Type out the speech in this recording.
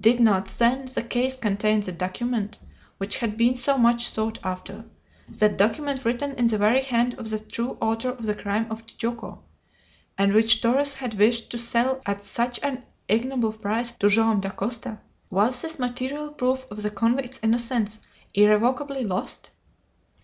Did not, then, the case contain the document which had been so much sought after the document written in the very hand of the true author of the crime of Tijuco, and which Torres had wished to sell at such an ignoble price to Joam Dacosta? Was this material proof of the convict's innocence irrevocably lost?